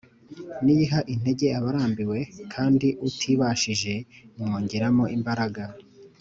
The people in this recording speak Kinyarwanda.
ni yo iha intege abarambiwe, kandi utibashije imwongeramo imbaraga